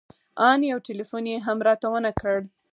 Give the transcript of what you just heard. ان يو ټېلفون يې هم راته ونه کړ.